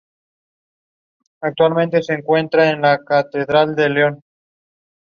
Suministran alimentos a sus larvas.